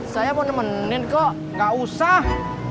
saya pun nemenin kok gak usah